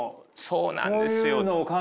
そうなんです。